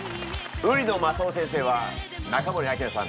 売野雅勇先生は中森明菜さん